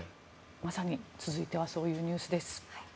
まさに続いてはそういうニュースです。